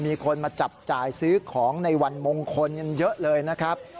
มีคนมาจับจ่ายซื้อของในวันมงคลกันเยอะเลยนะครับ